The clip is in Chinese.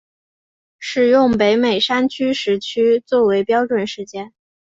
使用北美山区时区作为标准时间。